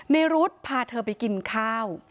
เนรุธพาเธอไปกินข้าว